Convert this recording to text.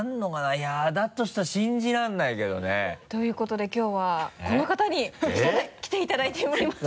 いやだとしたら信じられないけどね。ということできょうはこの方に来ていただいております。